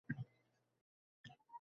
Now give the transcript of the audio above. Umring uzun bo’lsa — rahmat